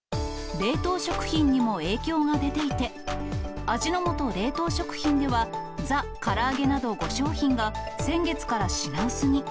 冷凍食品にも影響が出ていて、味の素冷凍食品では、ザ・から揚げなど５商品が、先月から品薄に。